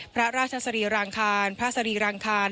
พระราชสรีรางคารพระสรีรางคาร